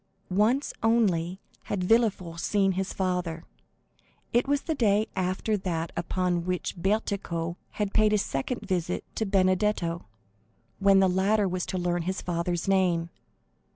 Once only had Villefort seen his father; it was the day after that upon which Bertuccio had paid his second visit to Benedetto, when the latter was to learn his father's name.